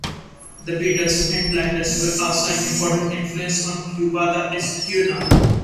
The Beatles and the Platters were also an important influence on Clube da Esquina.